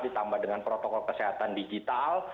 ditambah dengan protokol kesehatan digital